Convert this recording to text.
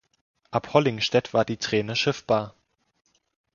Ab Hollingstedt war die Treene schiffbar.